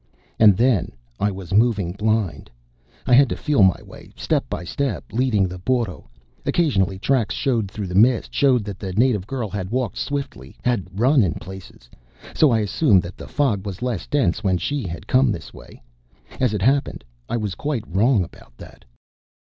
And then I was moving blind. I had to feel my way, step by step, leading the burro. Occasional tracks showed through the mist, showed that the native girl had walked swiftly had run in places so I assumed that the fog was less dense when she had come by this way. As it happened, I was quite wrong about that....